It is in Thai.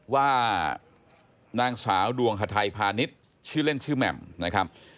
ว่านางสาวดวงฮาไทยพาณิชย์ชื่อเล่นชื่อแหม่มนะครับ